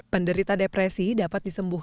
penderita depresi dapat disembuhkan